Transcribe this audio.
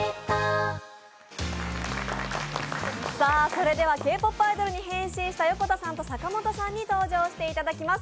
それでは、Ｋ−ＰＯＰアイドルに変身した横田さんと阪本さんに登場していただきます。